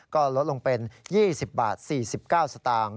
ก็ลดลงเป็น๒๐บาท๔๙สตางค์